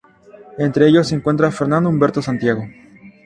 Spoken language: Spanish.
Entre ellos se encuentra Fernando Humberto Santiago.